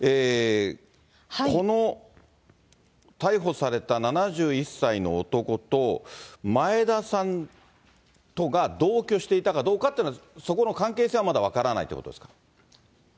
この逮捕された７１歳の男と、前田さんとが同居していたかどうかというのは、そこの関係性はまだ分からないということですか。